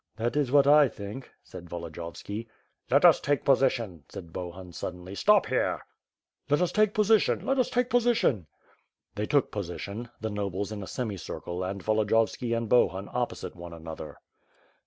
"That is what I think," said Volodiyovski. "Let us take position!" said Bohun suddenly, "stop here!" "Let us take position! Let us take position!" They took position; the nobles in a semicircle and Volodi yovski and Bohun opposite one another.